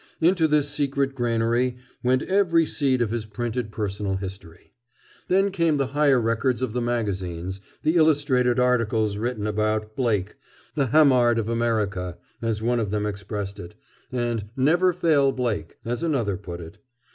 Into this secret granary went every seed of his printed personal history. Then came the higher records of the magazines, the illustrated articles written about "Blake, the Hamard of America," as one of them expressed it, and "Never Fail Blake," as another put it.